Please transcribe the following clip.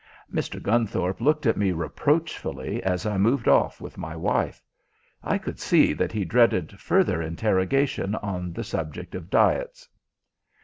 Mr. Gunthorpe looked at me reproachfully as I moved off with my wife. I could see that he dreaded further interrogation on the subject of diets.